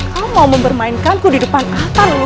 kau mau mempermainkanku di depan altar leluhurku